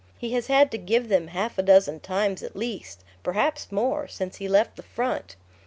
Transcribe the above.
He has had to give them half a dozen times at least, perhaps more, since he left the front.